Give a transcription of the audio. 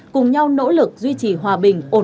cùng nhau nỗ lực duy trì hòa bình ổn định ở khu vực